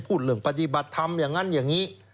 พูดเรื่องปฏิบัติธรรมอย่างนั้นอย่างนี้